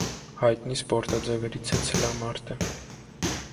Հայտնի սպորտաձևերից է ցլամարտը։